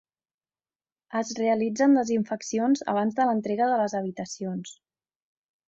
Es realitzen desinfeccions abans de l'entrega de les habitacions.